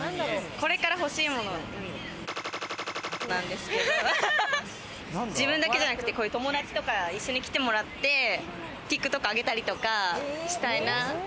これから欲しいもの、なんですけど、自分だけじゃなくて、友達とか一緒に着てもらって、ＴｉｋＴｏｋあげたりとかしたいな。